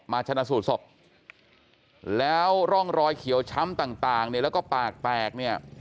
ชนะสูตรศพแล้วร่องรอยเขียวช้ำต่างเนี่ยแล้วก็ปากแตกเนี่ย